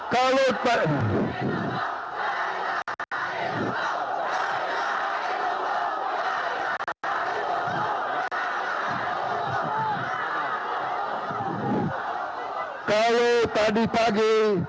kalau tadi pagi